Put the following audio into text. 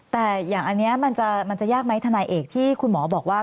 แต่อย่างอันนี้มันจะยากไหมทนายเอกที่คุณหมอบอกว่า